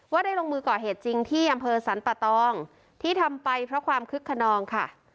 ได้ลงมือก่อเหตุจริงที่อำเภอสรรปะตองที่ทำไปเพราะความคึกขนองค่ะ